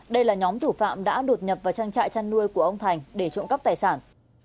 đây là nhóm thủ phạm đã đột nhập vào trang trại chăn nuôi của ông thành để trộm cắp tài sản